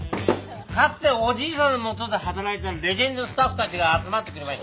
かつておじいさんの下で働いたレジェンドスタッフたちが集まってくれまして。